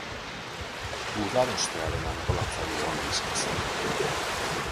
Gudarostearen antolatzaile ona izan zen.